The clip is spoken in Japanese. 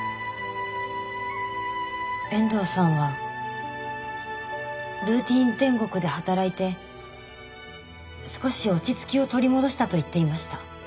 遠藤さんはルーティン天国で働いて少し落ち着きを取り戻したと言っていました。